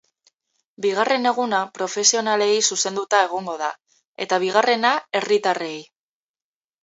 Bigarren eguna profesionalei zuzenduta egongo da, eta, bigarrena, herritarrei.